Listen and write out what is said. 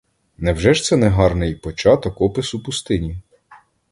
Невже ж це не гарний початок опису пустині?